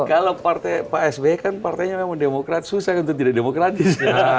kalau partai pak sby kan partainya memang demokrat susah untuk tidak demokratis